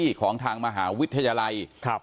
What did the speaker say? ทางรองศาสตร์อาจารย์ดรอคเตอร์อัตภสิตทานแก้วผู้ชายคนนี้นะครับ